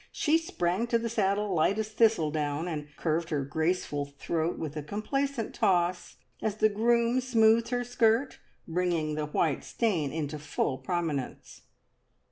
She sprang to the saddle, light as thistledown, and curved her graceful throat with a complacent toss, as the groom smoothed her skirt, bringing the white stain into full prominence.